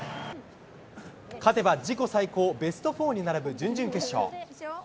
勝てば自己最高、ベスト４に並ぶ準々決勝。